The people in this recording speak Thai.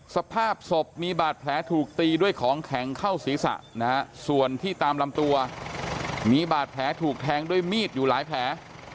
สภาพศพมีบาดแผลถูกตีด้วยของแข็งเข้าศีรษะนะฮะส่วนที่ตามลำตัวมีบาดแผลถูกแทงด้วยมีดอยู่หลายแผล